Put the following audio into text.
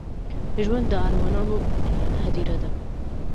ژوند د ارمانونو هديره ده.